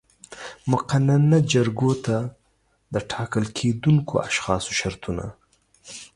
مقننه جرګو ته د ټاکل کېدونکو اشخاصو شرطونه